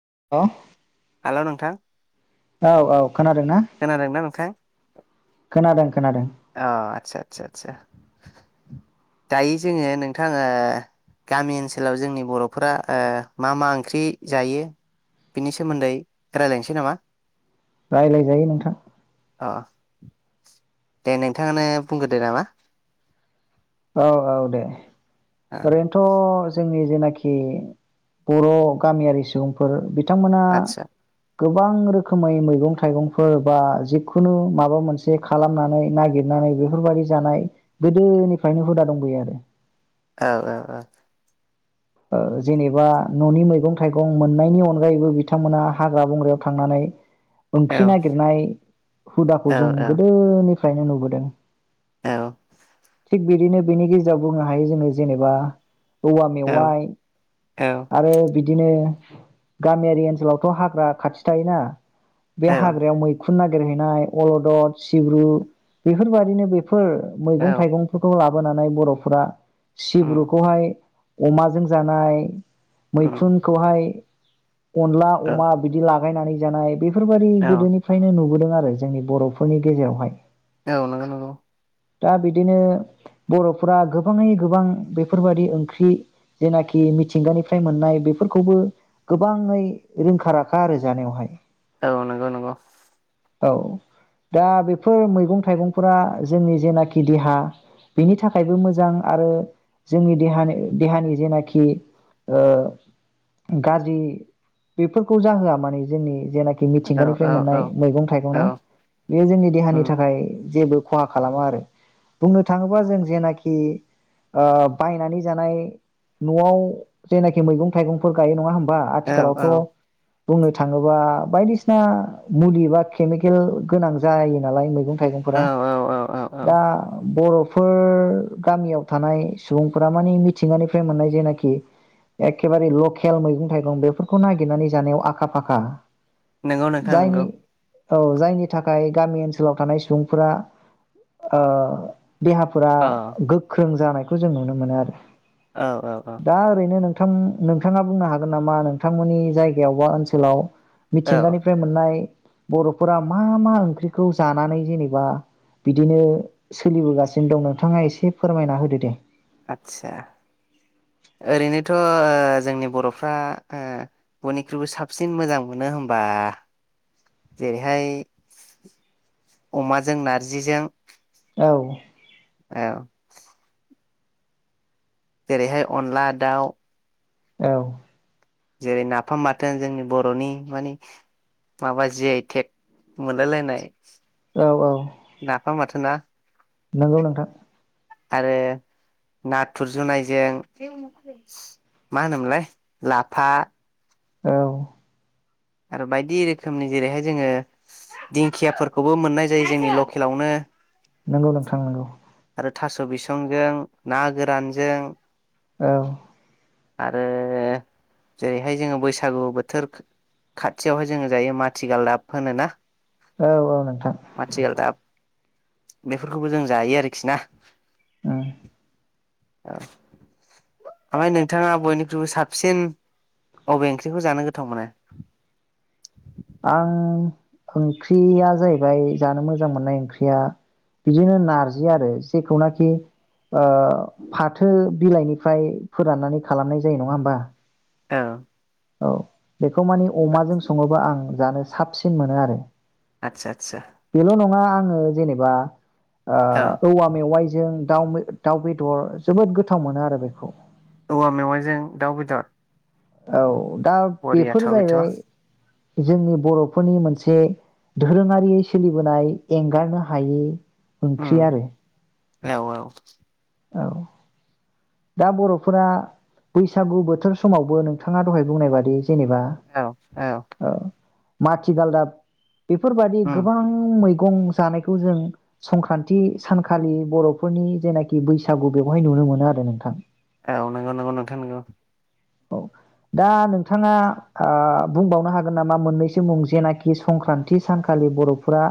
[inaudible] ओ नोंथां। औ औ खोनादों ना? खोनादोंना नोंथां [inaudible] खोनादों खोनादों। अ आतसा- आतसा- आतसा दायो जोङो नोंथाङा गामि ओनसोलाव जोंनि बर'फोरा ओ मा मा ओंख्रि जायो बिनि सोमोन्दै रायलायनोसै नामा राय्लायजायो नोंथां अ दे नोंथाङानो बुंग्रोदो नामा औ औ दे ओ ओरैनोथ' जोंनि जेनाखि बर' गामियारि सुबुंफोर बिथांमोना आदसा गोबां रोखोमै मैगं - थाइगंफोर बा जिखुनु माबा मोनसे खालामनानै नागिरनानै बेफोरबायाददि जानाय गोदोनिफ फ्रायनो हुदा दंबोयो आरो औ - औ- औ ओ जेनेबा न'नि मैगं- थाइगं मोननायनि अनगायैबो बिथांमोना हाग्रा बंग्रायाव थांनानै औ ओंख्रि नागिरनाय हुदाखौ औ जों औ गोदोनिफ फ्रायनो नुबोदों औ थिग बिदिनो बेनि गेजेराव बुंनो हायो जोङो जेनेबा औ मेवाय औ आरो बिदिनो गामियारि ओनसोलावथ' हाग्रा खाथि थायोना बे हाग्रायाव मैखुन खुन नागिरहैनाय अलदद सिब्रु बेफोरबायाददिनो बेफोर फोर औ मैगं - थाइगंफोरखौ लाब लाबोनानै बर'फोरा उम सिब्रुखौहाय अमाजों जानाय उम मैखुनखौहाय खनला औ उमा बिदि ला बायनानै जानाय बे बेफोरबि औ गोदोनिफ्रायनो नुबोदों आरो जोंनि बर'फोरनि गेजेरावहाय औ नंगौ - नंगौ दा बिदिनो बर'फोरा गोबाङै गोबां बेफोरबायादि ओंख्रि जेनाखि मिथिंगानिफ्राय मोननाय बेफोरखौबो गोबाङै रोंखाराखा आरो जानायावहाय औ नगौ- नंगौ औ दा बेफोर मैगं - थाइगंफोरा जोंनि जेनाखि देहा बेनि थाखायबो मोजां आरो जोंनि देहानि देहानि जेनाखि गाज्रि बेफोरखौ जाहोआ माने जोंनि जेनाख खि औ मिथिंगानिफ्राय औ औ मोननाय मैगं- औ थाइगंना बेयो जोंनि देहानि उम थाखाय जेबो खहा खालामो आरो बुंनो थांङोबा जों जेनाखि ओ बायनानै जानाय नआव जेनाखि मैगं थाइगंफोर गायो नंङा होनब मा औ औ आथिखालावथ बुंनो थाङोबा बायदिसिना मुलि बा केमिकेल गोनां जायो नालाय मैगं थाइगंफोरा औ औ औ औ दा बर फोर गामियाव थानाय सुबुंफोरा माने मिथिंगानिफ्राय मोननाय जेनाखि एखेबारे लकेल मैगं- थाइगं बेफोरखौ नागिरनानै जानायाव आखा-फाखा नोंगौ नोंथां नोंगौ औ जायनि थाखाय गामि ओनसोलाव थानाय सुबुंफोरा ओ देहाफोरा अ गोख्रों जानाय [unintelligible] जों नुनो मोनो आरो औ-औ-औ दा ओरैनो नोंथां नोंथांङा बुंनो हागोन नामा नोंथांमोननि जायगायाव बा ओनसोलाव औ मिथिंगानिफ्राय मोननाय बरफोरा मा-मा ओंख्रिखौ जानानै जेनेबा बिदिनो सोलिबोगासिनो दं नोंथांङा एसे फोरमायना होदो दे आतसा ओरैनोथ ओ जोंनि बरफ्रा बयनिख्रुइबो साबसिन मोजां मोनो होनबा जेरैहाय अमाजों नारजिजों औ औ जेरैहाय अनला दाउ औ जेरै नाफाम बाथोन जोंनि बरनि माने माबा जियाइ थेक मोनलायलायनाय।। औ-औ नाफाम बाथोना नोंगौ नोंथां आरो नाथुर जुनायजों मा होनोमोनलाय लाफा। औ आरो बायदि रोखोमनि जेरैहाय जोंङो दिंखियाफोरखौबो मोननाय जायो जोंनि लकेलावनो नोंगौ नोंथां नोंगौ आरो थास बिसंजों ना गोरानजों औ आरो जेरैहाय जोंङो बैसागु बोथोर खाथियावहाय जोंङो जायो माथिगालदाब होनोना। औ-औ नोंथां माथिगालदाब बेफोरखौबो जों जायो आरो खिना उं औ ओमफ्राय नोंथांङा बयनिख्रुइबो साबसिन अबे ओंख्रिखौ जानो गोथावमोनो। आं ओंख्रिया जाहैबाय जानो मोजां मोननाय ओंख्रिया बिदिनो नारजि आरो जेखौनाखि ओ फाथो बिलाइनिफ्राय फोराननानै खालामनाय जायो नंङा होनबा। औ औ बेखौ मानि अमाजों संङोबा आं जानो साबसिन मोनो आरो आथसा आथसा। बेल' नङा आङो जेनेबा औ ओह औवा मेवाइजों दाउ मे दाउ बेदर जोबोद गोथाव मोनो आरो बेखौ। औवा मेवाइजों दाउ बेदर औ। दा बरियाथ' बेफोर बेथ' जाहैबाय जोंनि बर'फोरनि मोनसे दोरोङारि सोलिबोनाय एंगारनो हायि उम ओंख्रि आरो। औ औ। औ दा बर'फोरा बैसागु बोथोर समावबो नोंथाङा दहाय बुंनायबादि जेनेबा औ। माथिगालदाब बेफोरबादि उम गोबां मैग गं जानायखौ जों संक्रान्थि सानखालि बर'फोरनि जेनाखि बैसागु बेवहाय नुनो मोनो आरो नोंथां। औ नोंगौ नोंगौ नोंगौ नोंथां नोंगौ। औ दा नोंथाङा ओह बुंबावनो हागोन नामा मोननैसो मुं जेनाखि संक्रान्थि सानखालि बर'फोरा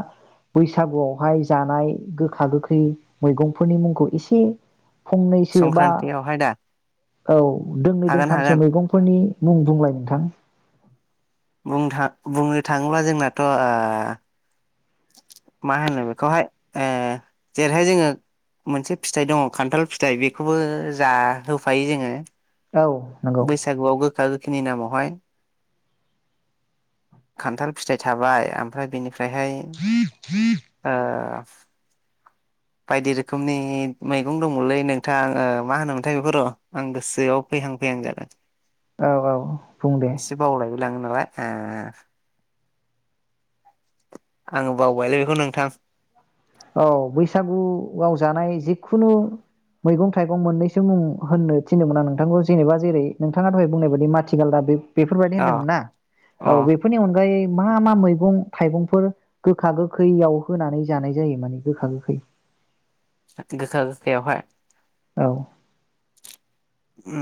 बैसागुआवहाय जानाय गोखा गोखै मैगंफोरनि मुंखौ एसे? फंनैसो बा संक्रान्तियावहाय दा औ। दोंनै दों हागोन थामसो हागोन मैगंफोरनि मुं बुंलाय नोंथां? बुंनो थां बुंनो थाङोब्ला जोंनाथ' ओह मा होनो बेखौहाय ओह जेरैहाय जोङो मोनसे फिथाइ दङ खान्थाल फिथाइ बेखौबो जाहोफायो जोङो। औ नंगौ बैसागुआव गोखा गोखैनि नामावहाय। खान्थाल फिथाइ थाबाय आमफ्राय बेनिफ्राय फ्रायहाय ओह बायदि रोखोमनि मैगं दंमोनलै नोंथां ओह मा होनोमोनथाय बेखौ र' आं गोसोआव फैहां फैहां जादों। औ औ बुं दे। एसे [unintelligible] आङो बावबायलै बेखौ नोंथां। औ बैसागुआव जानाय जिखुनु मैगं थाइगं मोननैसो मुं होननो थिनदोमोन आं नोंथांखौ। जेनेबा जेरै नोंथाङा दहाय बुंनाय बाददि माथिगालदाब बे बेफोरबायदि अ होनदोंमोनना औ अ बेफोरनि अनगायै मा मा मैगं थाइगंफोर गोखा गोखैयाव होनानै जानाय जायो माने गोखा गोखै गोखा गोखैयावहाय औ। ओ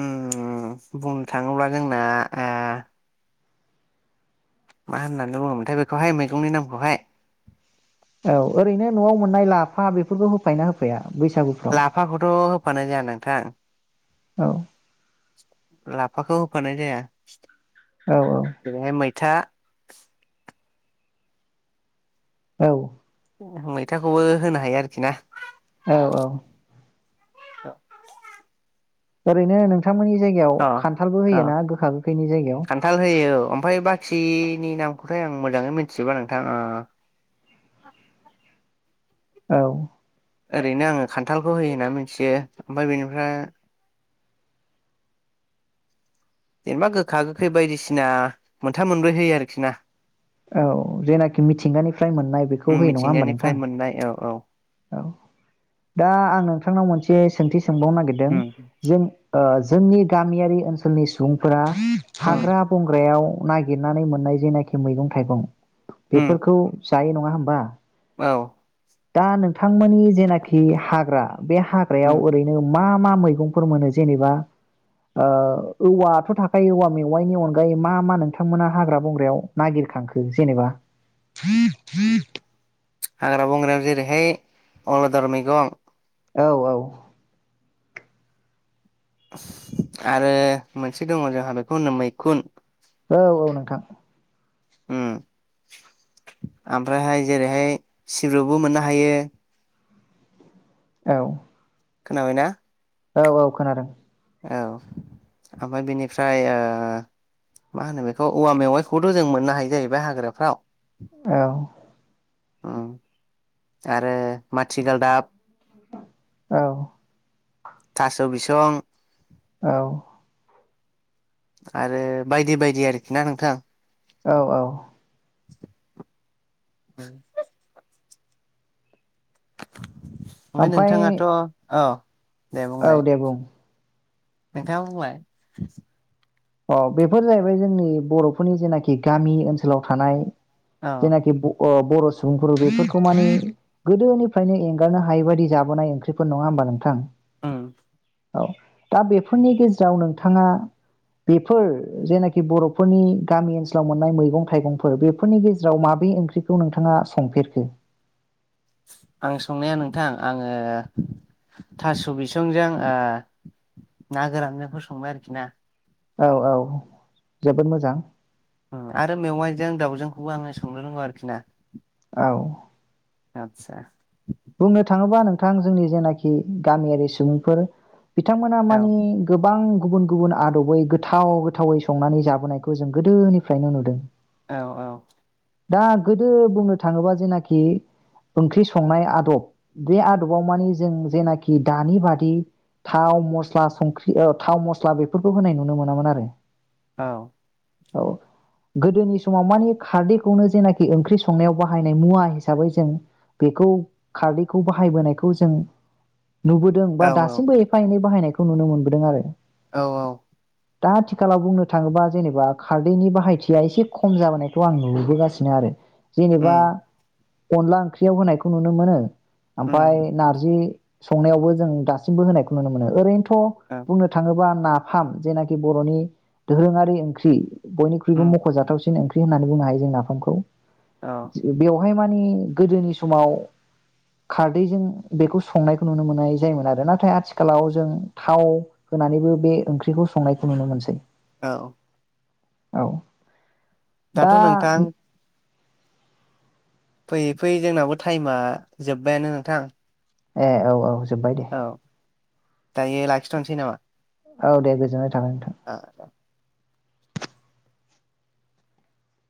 बुंनो थाङोब्ला जोंना ओ मा होननानै बुङोमोनथाय बेखौहाय मैगंनि नामखौहाय औ ओरैनो न'आव मोननाय लाफा बेफोरखौ होफायोना होफाया? बैसागुफ्राव लाफाखौथ' होफानाय जाया नोंथां औ लाफ फाखौ होफानाय जाया। औ जेरैहाय मैथा औ। मैथाखौबो होनो हायो आरोखि ना। औ औ। [inaudible] ओरैनो नों थांमोननि जायगायाव अ खान्थालबो औ होयो ना गोखा गोखैनि जायगायाव? नि नामखौथाय आं मोजाङै मिथिजोबा नोंथां ओ औ। ओरैनो आङो खान्थालखौ होयो होनना मिथियो ओमफ्राय बेनिफ्राय जेनेबा गोखा गोखै बायदिसिना मोनथाम मोनब्रै होयो आरोखिना । औ जेनाखि मिथिंगानिफ्राय मोननाय उम बेखौ होयो नङा होमबा मिथिंगानिफ्राय नोंथां? मोननाय औ औ औ दा आं नोंथांनाव मोनसे सोंथि सोंबावनो नागिरदों उम जों ओ जोंनि गामियारि ओनसोलनि सुबुंफोरा उम हाग्रा बंग्रायाव नागिरनानै मोननाय जेनाखि मैगं थाइगं उम बेफोरखौ जायो नङा होमबा? औ। दा नों थांमोननि जेनाखि हाग्रा बे उम हाग्रायाव ओरैनो मा मा मैगंफोर मोनो जेनेबा ओ औवाथ' थाखायो औवा मेवाइनि अनगायै मा मा नोंथांमोना हाग्रा बंग्रायाव नागिरखांखो जेनेबा? हाग्रा बंग्रायाव जेरैहाय अलदर मैगं। औ औ। आरो मोनसे दङ' जोंहा बेखौ होनो मैखुन। औ औ नोंथां। ओम ओमफ्रायहाय जेरैहाय सिब्रुबो मोननो हायो। औ। खोनाबायना? औ औ खोनादों। औ ओमफ्राय बेनिफ्राय ओ मा होनो बेखौ औवा मेवाइखौथ' जों मोननो हायो जाहैबाय हाग्राफ्राव। औ ओम आरो माथिगालदाब। औ। थास' बिसं औ। आरो बायदि बायदि आरोखि ना नोंथां। औ औ। [inaudible] [inaudible] ओमफाय ओमफ्राय नोंथाङाथ' अ। औ दे बुं। नोंथांआ बुंलाय। अह बेफोर जाहैबाय जोंनि बर'फोरनि जेनाखि गामि ओनसोलाव थानाय औ जेनाखि ब अह बर' सुबुंफोर बेफोरखौ माने गोदोनिफ्रायनो एंगारनो हायै बादि जाबोनाय ओंख्रिफोर, नङा होमबा नोंथां? उम। औ। दा बेफोरनि गेजेराव नोंथाङा बेफोर जेनाखि बर'फोरनि गामि ओनसोलाव मोननाय मैगं थाइगंफोर बेफोरनि गेजेराव माबे ओंख्रिखौ नोंथाङा संफेरखो? आं संनाया नोंथां, आङो थास' बिसंजों ओ ना गोरानजोंखौ संबाय आरोखिना। औ औ जोबोद मोजां। आरो मेवाइजों दाउजोंखौबो आङो संनो रोंगौ आरोखि ना। औ। आतसा। थां जोंनि जेनाखि गामियारि सुबुंफोर बिथांमोना औ माने गोब बां गुबुन गुबुन आदबै गोथाव गोथावै संनानै जाबोनायखौ जों गोदोनिफ्रायनो नुदों। औ औ। दा गोदो बुंनो थाङोबा जेनाखि ओंख्रि संनाय आ दब बे आदबाव माने जों जेनाखि दानि बादि थाव, मस्ला, संख्रि ओ थाव, मस्ला बेफोरखौ होनाय नुनो मोनामोन आरो। औ। औ गोदोनि समाव माने खारदैखौनो जेनाखि ओंख्रि संनायाव बाहायनाय मुवा हिसाबै जों बेखौ खारदैखौ बाहायबोनायखौ जों नुबोदों औ बा औ दासिमबो एफा एनै बाहायनायखौ खौ नुनो मोनबोदों आरो। औ औ। दा आथिखालाव बुंनो थाङोबा जेनेबा खारदैनि बाहायथिया एसे खम जाबोनायखौ आं नुबोगासिनो आरो। जेनेबा उम अनला ओंख्रियाव होनायखौ नुनो मोनो। [inaudible] ओमफाय उम नारजि‌ संनायावबो जों दासिमबो होनायखौ नुनो मोनो। ओरैनोथ' थ' औ बुंनो थाङोबा नाफाम, जेनाखि बर'नि दोरोङारि ओंख्रि। बयख्रुइबो उम मख'जाथावसिन ओंख्रि ख्रि होननानै बुंनो हायो जों नाफामखौ। औ बेव बेवहाय माने गोदोनि समाव खारदैजों बेखौ संनायखौ नुनो मोननाय जायोमोन आरो नाथाय आथिखालाव जों थाव होनानैबो बे ओंख्रिखौ संनायखौ नुनो मोनसै। औ औ दा दाथ' नोंथां फैयै फैयै जोंनावो टाइमा जोब्बायानो नोंथां। ए औ औ जोबाय दे। औ दायो लाखिथसै नामा? औ दे गोजोन आ